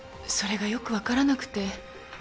それがよくわからなくて。